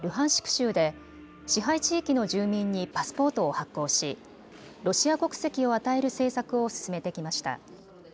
州で支配地域の住民にパスポートを発行しロシア国籍を与える政策を進めてきました。